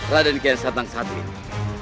raden kian santang saat ini